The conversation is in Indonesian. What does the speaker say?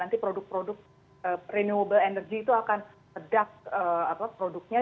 nanti produk produk energi perubahan akan sedap produknya